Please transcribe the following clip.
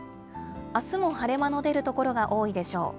あすも晴れ間の出る所が多いでしょう。